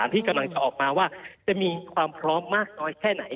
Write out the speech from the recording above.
ที่กำลังจะออกมาว่าจะมีความพร้อมมากน้อยแค่ไหน